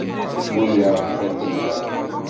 Tewwi-aɣ tiṭ-nneɣ.